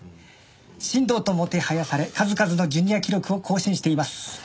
神童ともてはやされ数々のジュニア記録を更新しています。